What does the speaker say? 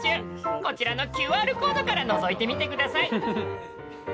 こちらのＱＲコードからのぞいてみてください！